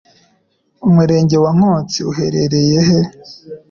Umurenge wa Nkotsi uherereye he